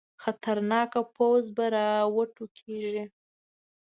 خطرناکه پوځ به راوټوکېږي.